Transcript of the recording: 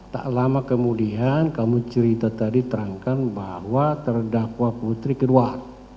tak lama kemudian kamu cerita tadi terangkan bahwa terdakwa putri keluar